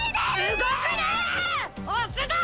動くなー！